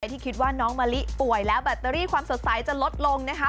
ที่คิดว่าน้องมะลิป่วยแล้วแบตเตอรี่ความสดใสจะลดลงนะคะ